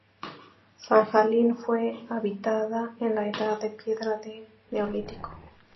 Sajalín fue habitada en la Edad de Piedra del Neolítico.